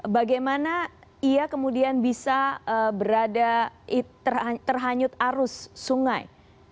bagaimana ia kemudian bisa berada terhanyut arus sungai